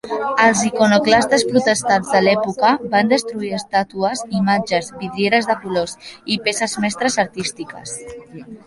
Els iconoclastes protestants de l"època ban destruir estàtues, imatges, vidrieres de colors i peces mestres artístiques.